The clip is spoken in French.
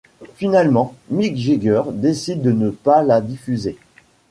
Finalement, Mick Jagger décide de ne pas la diffuser.